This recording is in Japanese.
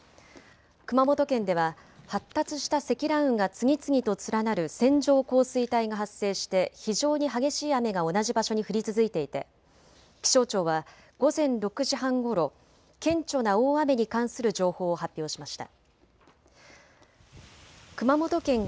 熊本県では発達した積乱雲が次々と連なる線状降水帯が発生して非常に激しい雨が同じ場所に降り続いていて気象庁は午前６時半ごろ、顕著な大雨に関する情報を発表しました。